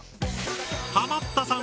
ハマったさん